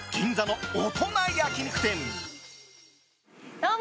どうも！